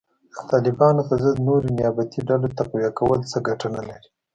د طالبانو په ضد نورې نیابتي ډلو تقویه کول څه ګټه نه لري